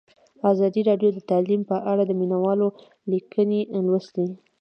ازادي راډیو د تعلیم په اړه د مینه والو لیکونه لوستي.